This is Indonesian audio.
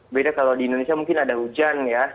beda kalau di indonesia mungkin ada hujan ya